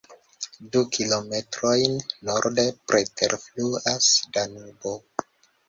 Du kilometrojn norde preterfluas Danubo.